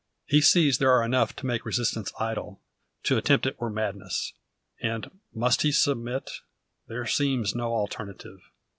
He sees there are enough to make resistance idle. To attempt it were madness. And must he submit? There seems no alternative.